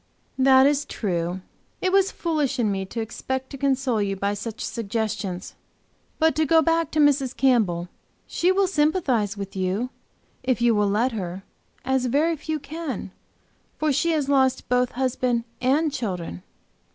"That is true. It was foolish in me to expect to console you by such suggestions. But to go back to Mrs. Campbell. She will sympathize with you, if you will let her, as very few can, for she has lost both husband and children."